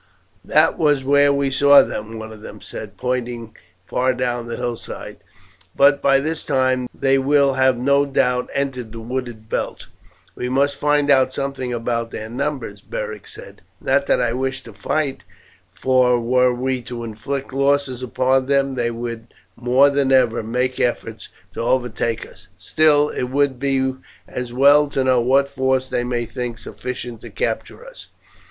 "That was where we saw them," one of them said, pointing far down the hillside, "but by this time they will no doubt have entered the wooded belt." "We must find out something about their numbers," Beric said. "Not that I wish to fight; for were we to inflict losses upon them they would more than ever make efforts to overtake us. Still, it will be as well to know what force they may think sufficient to capture us."